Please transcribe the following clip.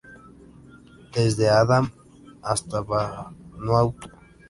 Desde Andamán hasta Vanuatu.